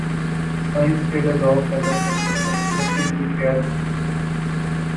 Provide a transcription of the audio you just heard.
science سے لگاؤ پیدا کرنے میں عمر کی کوئی قید نہیں ہے